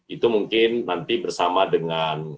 itu mungkin nanti bersama dengan